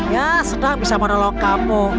ya sudah bisa menolong kamu